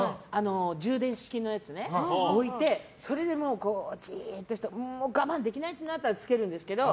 充電式のやつを置いてそれで、じっとしてもう我慢できないってなったらつけるんですけど。